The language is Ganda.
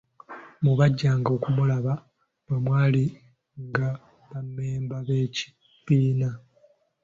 Mu bajjanga okumulaba, mwe mwalinga ba mmemba b'ekibiina.